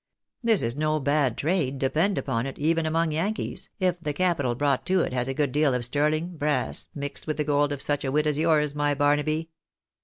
This is no bad trade depend upon it, even among Yankees, if the capital brought to it has a good deal of sterling brass, mixed with the gold of such a wit as yours, my Barnaby.